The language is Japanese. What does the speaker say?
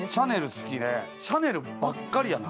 シャネルばっかりやな。